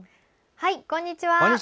こんにちは。